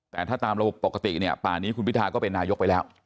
แต่ถ้าตามระบบปกติเนี่ยป่านี้คุณพิทาก็เป็นนายกไปแล้ว